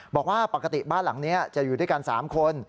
บอกว่าปกติบ้านหลังนี้จะอยู่ด้วยกัน๓คน